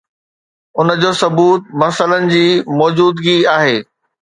ان جو ثبوت مسئلن جي موجودگي آهي